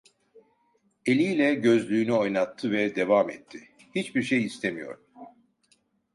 Eliyle gözlüğünü oynattı ve devam etti: "Hiçbir şey istemiyorum."